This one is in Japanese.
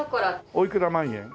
おいくら万円？